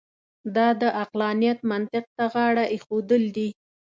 دا د عقلانیت منطق ته غاړه اېښودل دي.